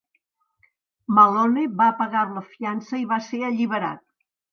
Malone va pagar la fiança i va ser alliberat.